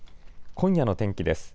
今夜の天気です。